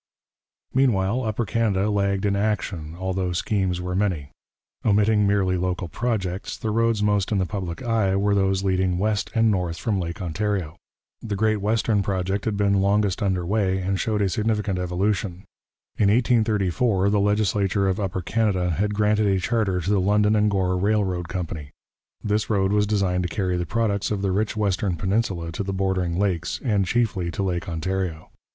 Meanwhile, Upper Canada lagged in action, although schemes were many. Omitting merely local projects, the roads most in the public eye were those leading west and north from Lake Ontario. The Great Western project had been longest under way, and showed a significant evolution. In 1834 the legislature of Upper Canada had granted a charter to the London and Gore Railroad Company. This road was designed to carry the products of the rich western peninsula to the bordering lakes, and chiefly to Lake Ontario.